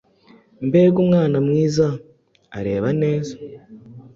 Mbega umwana mwiza! Areba neza.